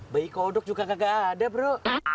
bayi kodok juga nggak ada bro